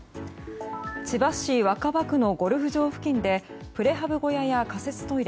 千葉市若葉区のゴルフ場付近でプレハブ小屋や仮設トイレ